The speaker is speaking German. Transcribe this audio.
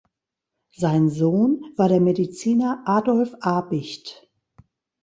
Sein Sohn war der Mediziner Adolf Abicht.